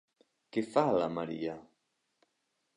Què fa la Maria?